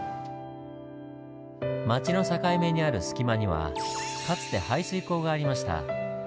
町の境目にある隙間にはかつて排水溝がありました。